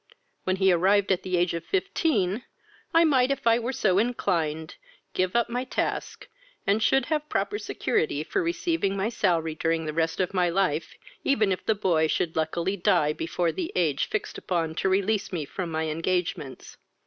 When he arrived at the age of fifteen, I might, if I were so inclined, give up my task, and should have proper security for receiving my salary during the rest of my life, even if the boy should luckily die before the age fixed upon to release me from my engagements.